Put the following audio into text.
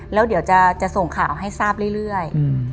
แล้วเดี๋ยวจะส่งข่าวให้ทราบเรื่อย